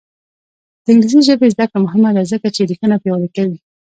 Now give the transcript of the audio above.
د انګلیسي ژبې زده کړه مهمه ده ځکه چې لیکنه پیاوړې کوي.